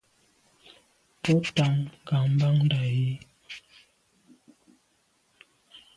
Bo tam ngàmndà yi.